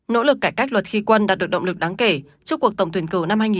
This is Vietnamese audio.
nỗ lực cải cách luật khi quân đã được động lực đáng kể trước cuộc tổng tuyển cử năm hai nghìn hai mươi ba